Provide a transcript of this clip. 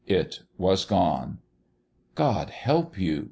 It was gone. "God help you!"